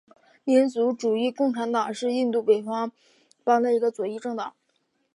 民族主义共产党是印度北方邦的一个左翼政党。